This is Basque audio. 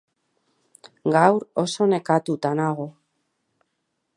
garatzaile gehiago ezagutu daitezke, baita eduki sortzaile gehiago ere